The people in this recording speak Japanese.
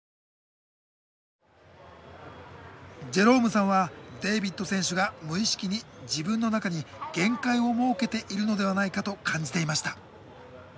ジェロームさんはデイビッド選手が無意識に自分の中に限界を設けているのではないかと感じていました。